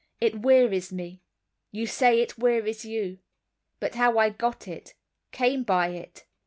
It wearies me: you say it wearies you; But how I got it—came by it.